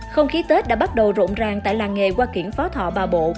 không khí tết đã bắt đầu rộn ràng tại làng nghề hoa kiển phó thọ bà bộ